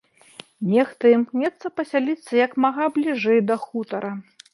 Нехта імкнецца пасяліцца як мага бліжэй да хутара.